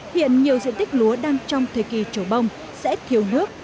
hiện nhiều diện tích lúa đang trong thời kỳ trổ bông sẽ thiếu nước